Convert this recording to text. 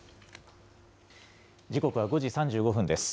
時刻は５時３５分です。